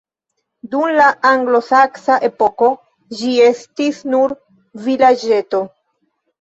Dum la anglosaksa epoko ĝi estis nur vilaĝeto.